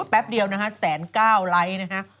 แป๊บเดียวนะฮะแสนเก้าไลค์นะฮะ